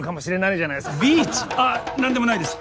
ああ何でもないです！